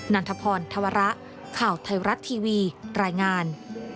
ันทพรธวระข่าวไทยรัฐทีวีรายงาน